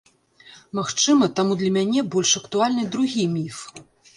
Магчыма, таму для мяне больш актуальны другі міф.